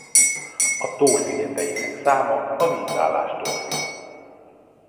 A tó szigeteinek száma a vízállástól függ.